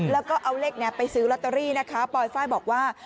แล้วก็เอาเลขนี้ไปซื้อลอตเตอรี่นะคะปลอยไฟล์บอกว่า